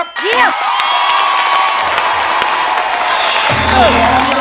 ร้องได้หมด